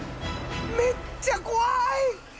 めっちゃ怖い！